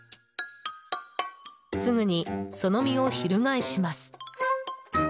すぐにその身を翻します。